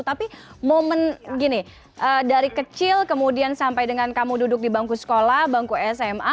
tapi momen gini dari kecil kemudian sampai dengan kamu duduk di bangku sekolah bangku sma